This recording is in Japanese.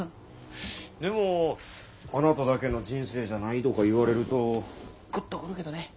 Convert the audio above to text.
でもあなただけの人生じゃないとか言われるとグッと来るけどね。